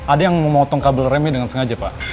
ada yang memotong kabel remnya dengan sengaja pak